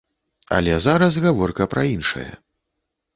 Але зараз гаворка пра іншае.